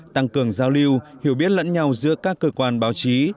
tăng cường giao lưu hiểu biết lẫn nhau giữa các cơ quan báo chí